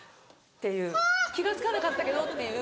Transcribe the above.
ていう気が付かなかったけどっていう。